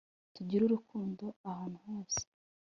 tugire urukundo ahantu hose